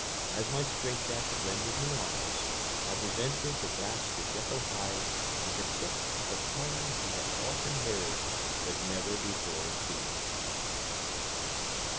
As my strait jacket rendered me armless, I presented the glass to Jekyll Hyde on the tip of a tongue he had often heard, but never before seen.